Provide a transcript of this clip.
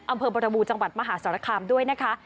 อำเภอบรบูจังหวัดมหาสรคามด้วยนะคะ